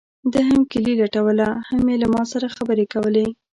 ده هم کیلي لټوله هم یې ما سره خبرې کولې.